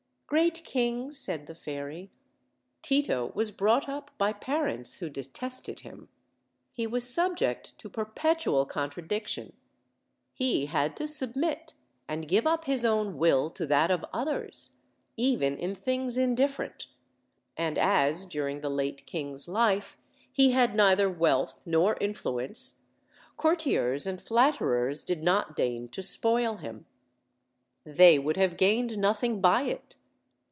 "Great king," said the fairy, "Tito was brought up by parents who detested him. He was subject to perpetual contradiction; he had to submit and give up his own will to that of others, even in things indifferent; and as, dur ing the late king's life, he had neither wealth nor influ ence, courtiers and flatterers did not deign to spoil him; they would have gained nothing by it.